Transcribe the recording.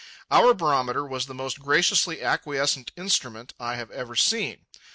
Our barometer was the most graciously acquiescent instrument I have ever seen.